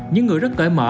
những người rất cởi mở